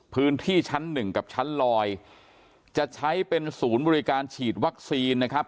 พื้นที่ชั้นหนึ่งกับชั้นลอยจะใช้เป็นศูนย์บริการฉีดวัคซีนนะครับ